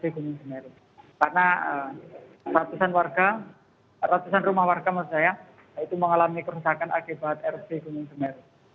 karena ratusan rumah warga mengalami kerusakan akibat erupsi